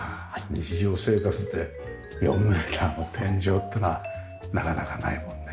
日常生活で４メーターの天井っていうのはなかなかないもんね。